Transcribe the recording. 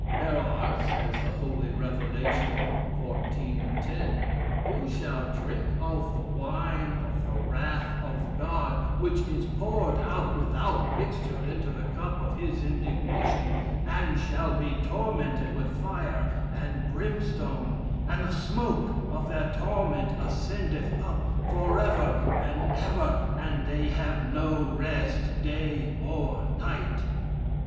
'There are' (says the holy Revelation, xiv. 10,) 'who shall drink of the wine of the wrath of God, which is poured out without mixture into the cup of his indignation, and shall be tormented with fire and brimstone, and the smoke of their torment ascendeth up forever and ever: and they have no rest day or night.'